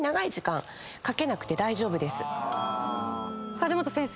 梶本先生。